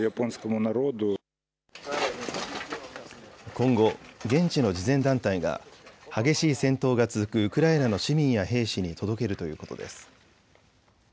今後、現地の慈善団体が激しい戦闘が続くウクライナの市民や兵士に届けるということです。